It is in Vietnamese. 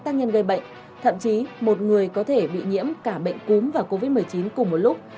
tác nhân gây bệnh thậm chí một người có thể bị nhiễm cả bệnh cúm và covid một mươi chín cùng một lúc